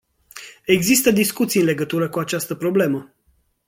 Există discuții în legătură cu această problemă.